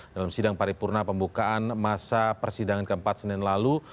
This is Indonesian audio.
dalam sidang paripurna pembukaan masa persidangan keempat senin lalu